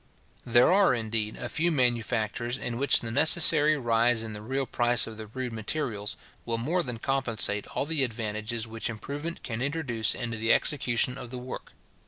There are, indeed, a few manufactures, in which the necessary rise in the real price of the rude materials will more than compensate all the advantages which improvement can introduce into the execution of the work.